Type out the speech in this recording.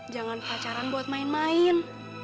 jangan pacaran buat main main